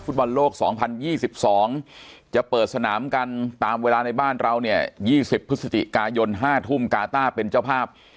บอลโลก๒๐๒๒จะเปิดสนามกันตามเวลาในบ้านเราเนี่ย๒๐พฤศจิกายน๕ทุ่มกาต้าเป็นเจ้าภาพ